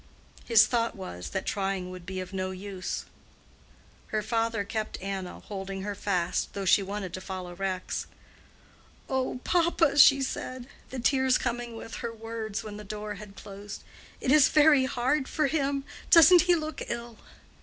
His thought was, that trying would be of no use. Her father kept Anna, holding her fast, though she wanted to follow Rex. "Oh, papa," she said, the tears coming with her words when the door had closed; "it is very hard for him. Doesn't he look ill?"